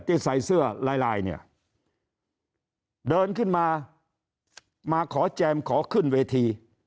ใส่เสื้อลายลายเนี่ยเดินขึ้นมามาขอแจมขอขึ้นเวที